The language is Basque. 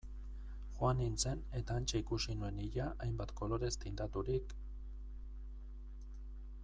Joan nintzen eta hantxe ikusi nuen ilea hainbat kolorez tindaturik...